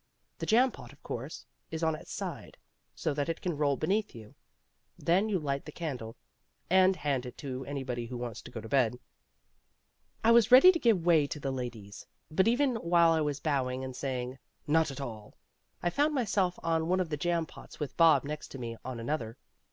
The jam pot, of course, is on its side, so that it can roll beneath you. Then you light the candle ... and hand it to anybody who wants to go to bed. I was ready to give way to the ladies here, but even while I was bowing and saying, "Not at all," I found myself on one of the jam pots with Bob next to me on another.